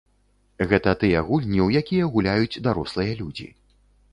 Гэта тыя гульні, у якія гуляюць дарослыя людзі.